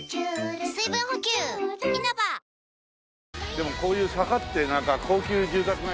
でもこういう坂ってなんか高級住宅街。